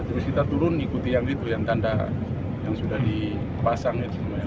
terus kita turun ikuti yang itu yang tanda yang sudah dipasang itu semuanya